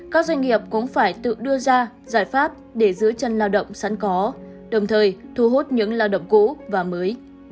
các doanh nghiệp cũng phải tự đưa ra giải pháp để giữ chân lao động sẵn có đồng thời thu hút những lao động cũ và mới